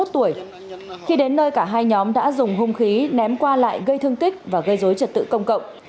ba mươi một tuổi khi đến nơi cả hai nhóm đã dùng hung khí ném qua lại gây thương tích và gây dối trật tự công cậu